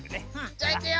じゃあいくよ！